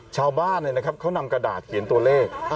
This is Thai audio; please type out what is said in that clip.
ชาวบ้านเนี่ยนะครับเค้านำกระดาษเขียนตัวเลข